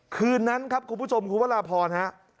คืนนั้นครับคุณผู้ชมคุณพระราพรฮะ